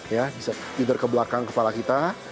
ya bisa either ke belakang kepala kita